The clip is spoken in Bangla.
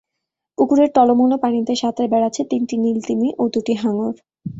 পুকুরের টলমল পানিতে সাঁতরে বেড়াচ্ছে তিনটি নীল তিমি এবং দুটি হাঙর।